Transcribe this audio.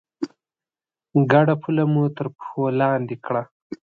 ګډه پوله مو تر پښو لاندې کړه.